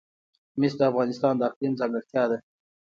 مس د افغانستان د اقلیم ځانګړتیا ده.